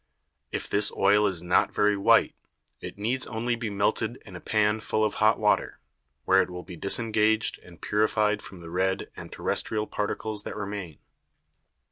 If this Oil is not very white, it needs only be melted in a Pan full of hot Water, where it will be disengaged and purified from the red and terrestrial Particles that remain.